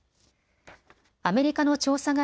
アメリカの調査